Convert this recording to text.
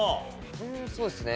そうですね